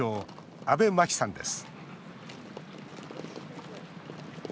阿部真紀さんです